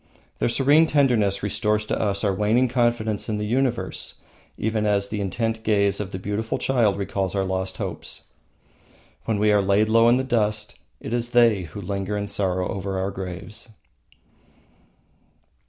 Their serene tenderness restores to us our waning confidence in the universe even as the intent gaze of a beautiful child recalls our lost hopes. When we are laid low in the dust it is they who linger in sorrow over our graves.